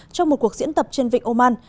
trong một cuộc diễn tập trên vịnh oman